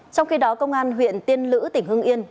trong khi đó công an huyện tiên lữ tỉnh hương yên